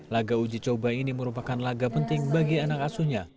laga uji coba ini merupakan laga penting bagi anak asuhnya